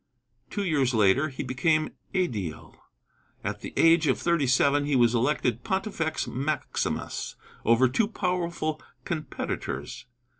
Two years later he became ædile. At the age of thirty seven he was elected pontifex maximus over two powerful competitors.